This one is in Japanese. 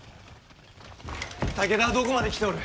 武田はどこまで来ておる。